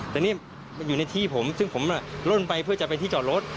แต่นี่มันอยู่ในที่ผมซึ่งผมล่นไปเพื่อจะไปที่จอดรถ